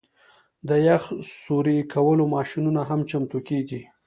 د یخ سوري کولو ماشینونه هم چمتو کیږي